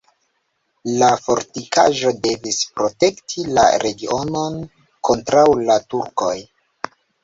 La fortikaĵo devis protekti la regionon kontraŭ la turkoj.